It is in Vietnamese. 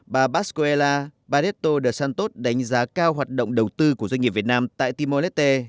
đại sứ bascuela barreto de santos đánh giá cao hoạt động đầu tư của doanh nghiệp việt nam tại timolete